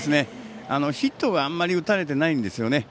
ヒットはあんまり打たれてないんですよね。